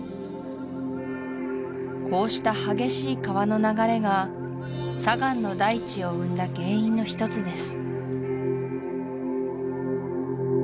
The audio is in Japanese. こうした激しい川の流れが砂岩の大地を生んだ原因の一つです